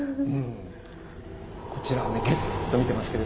こちらをねぎゅっと見てますけれども。